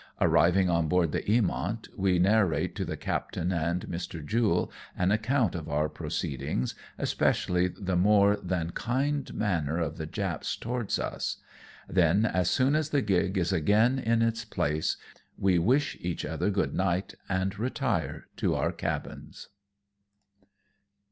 Arriving on board the Eamoiit, we narrate to the captain and Mr. Jule an account of our proceedings, especiallj' the more than kind manner of the Japs towards us ; then, as soon as the gig is again in its placOj we wish each other good night and retire to our cabins.